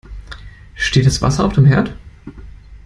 Steht das Wasser auf dem Herd?